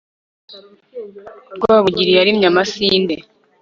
rwabugili yarimye amasinde